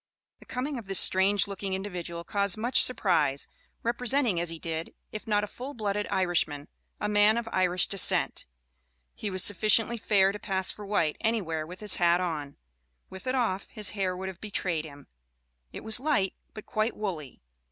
The coming of this strange looking individual caused much surprise, representing, as he did, if not a full blooded Irishman, a man of Irish descent. He was sufficiently fair to pass for white anywhere, with his hat on with it off, his hair would have betrayed him; it was light, but quite woolly.